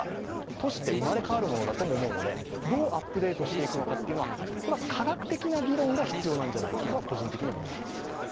都市として生まれ変わるものだと思うので、アップデートしていくものとして科学的な議論が必要なんじゃないかとは個人的に思います。